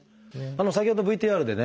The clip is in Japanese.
先ほどＶＴＲでね